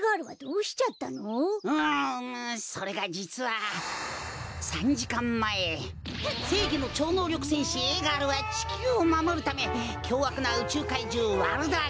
ううむそれがじつは３じかんまえせいぎのちょうのうりょくせんしＡガールはちきゅうをまもるためきょうあくなうちゅうかいじゅうワルダークとたたかい。